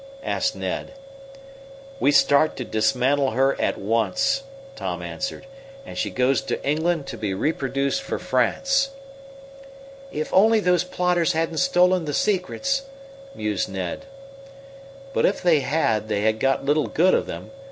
asked Ned. "We start to dismantle her at once," Tom answered, "and she goes to England to be reproduced for France." "If only those plotters haven't stolen the secrets," mused Ned. But if they had they got little good of them.